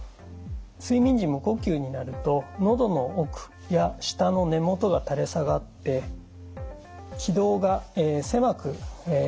睡眠時無呼吸になるとのどの奥や舌の根もとが垂れ下がって気道が狭くなってきます。